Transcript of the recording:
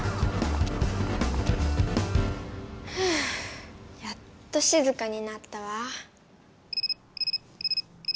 ふうやっとしずかになったわ。